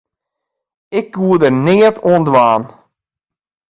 Ik koe der neat oan dwaan.